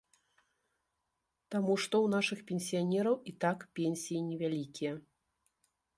Таму што ў нашых пенсіянераў і так пенсіі невялікія.